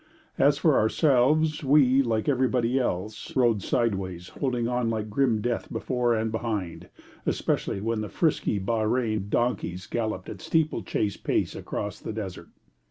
As for ourselves, we, like everybody else, rode sideways, holding on like grim death before and behind, especially when the frisky Bahrein donkeys galloped at steeplechase pace across the desert.